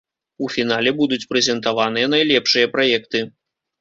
У фінале будуць прэзентаваныя найлепшыя праекты.